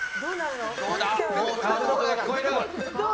モーターの音が聞こえる。